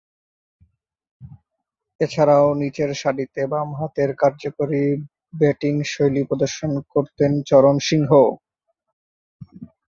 এছাড়াও, নিচেরসারিতে বামহাতে কার্যকরী ব্যাটিংশৈলী প্রদর্শন করতেন চরণ সিং।